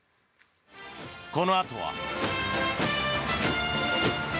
このあとは。